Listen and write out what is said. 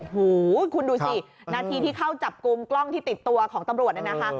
หูคุณดูสินาทีที่เข้าจับกลุ่มกล้องที่ติดตัวของตำรวจน่ะนะคะ